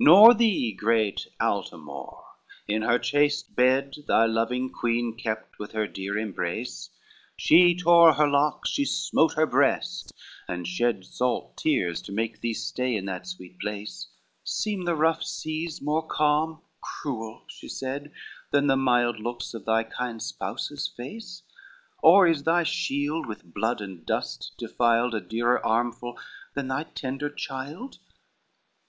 XXVI Nor thee, great Altamore, in her chaste bed Thy loving queen kept with her dear embrace, She tore her locks, she smote her breast, and shed Salt tears to make thee stay in that sweet place, "Seem the rough seas more calm, cruel," she said, "Than the mild looks of thy kind spouse's face? Or is thy shield, with blood and dust defiled, A dearer armful than thy tender child?"